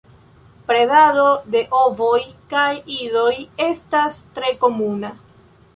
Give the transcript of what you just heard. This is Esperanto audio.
Predado de ovoj kaj idoj estas tre komuna.